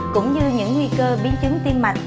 cũng như những nguy cơ biến chứng tiên mạch